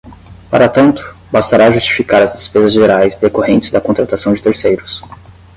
Para tanto, bastará justificar as despesas gerais decorrentes da contratação de terceiros.